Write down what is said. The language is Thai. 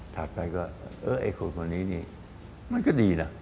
ถัดไปก็เออไอ้คนคนนี้นี่มันก็ดีนะ